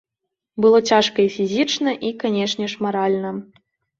Было цяжка і фізічна і, канечне ж, маральна.